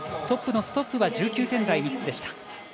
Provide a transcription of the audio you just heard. トップのストッフは１９点台３つでした。